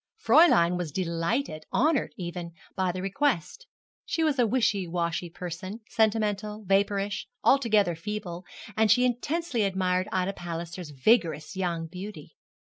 Fräulein was delighted, honoured even, by the request. She was a wishy washy person, sentimental, vapourish, altogether feeble, and she intensely admired Ida Palliser's vigorous young beauty.